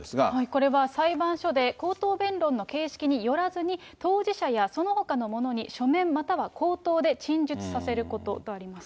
これは、裁判所で口頭弁論の形式によらずに、当事者やそのほかの者に書面または口頭で陳述させることとありま